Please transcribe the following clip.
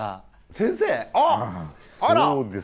先生！